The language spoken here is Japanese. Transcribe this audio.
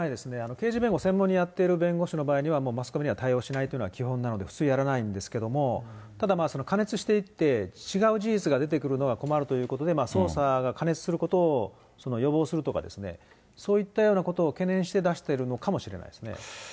刑事弁護専門にやっている弁護士の場合は、もうマスコミには対応しないというのが基本なので、普通やらないんですけども、ただ、過熱していって、違う事実が出てくるのは困るということで、捜査が過熱することを予防するとかですね、そういったようなことを懸念して出してるのかもしれないですね。